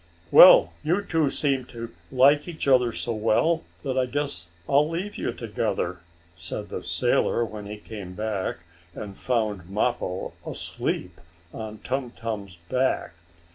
"Well, you two seem to like each other so well that I guess I'll leave you together," said the sailor, when he came back and found Mappo asleep on Tum Tum's back.